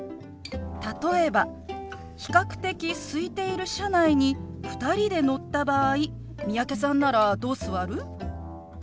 例えば比較的すいている車内に２人で乗った場合三宅さんならどう座る？